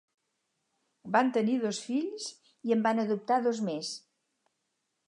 Van tenir dos fills i en van adoptar dos més.